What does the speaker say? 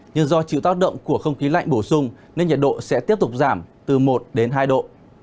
nhưng do chịu tác động của không khí lạnh bổ sung nên nhiệt độ sẽ tiếp tục giảm từ một đến hai độ